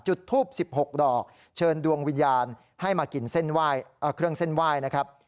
จุดทูบ๑๖ดอกเชิญดวงวิญญาณให้มากินเส้นเครื่องเส้นไหว้นะครับ